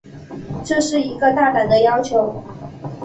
这是一个大胆的要求。